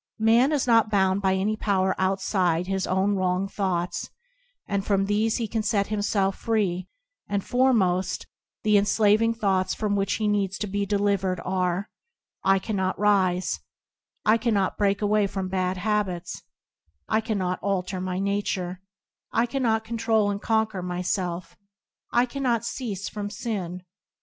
_Man is not bound by any power outside his own wrong thoughts, and from these he can set himself free; and foremost, the enslaving thoughts from which he needs to be delivered are — "I cannot rise," "I cannot break away from bad habits," "I [ 27 ] cannot alter my nature/' "I cannot control and conquer myself/' "I cannot cease from sin."